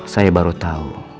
saya baru tahu